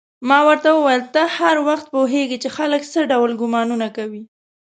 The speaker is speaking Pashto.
ما ورته وویل: ته هر وخت پوهېږې چې خلک څه ډول ګومانونه کوي؟